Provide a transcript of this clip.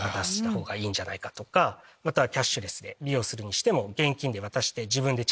またはキャッシュレスで利用するにしても。